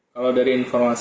kalau dari informasi